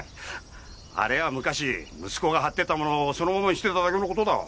あれは昔息子が貼ってたものをそのままにしてただけの事だ。